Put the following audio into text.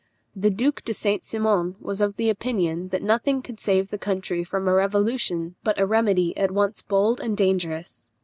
The Duke de St. Simon was of opinion that nothing could save the country from revolution but a remedy at once bold and dangerous.